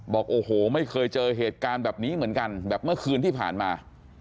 บอกโอ้โหไม่เคยเจอเหตุการณ์แบบนี้เหมือนกันแบบเมื่อคืนที่ผ่านมา